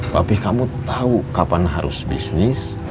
papih kamu tau kapan harus bisnis